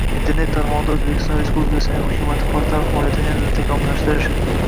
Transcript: Internet tarmog‘ida O‘zbekiston Respublikasining Hukumat portali faoliyatini yanada takomillashtirish